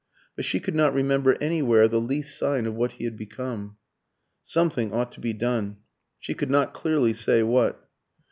But she could not remember anywhere the least sign of what he had become. Something ought to be done she could not clearly say what.